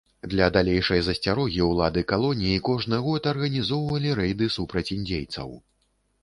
Для далейшай засцярогі ўлады калоніі кожны год арганізоўвалі рэйды супраць індзейцаў.